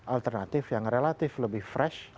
alternatif yang relatif lebih fresh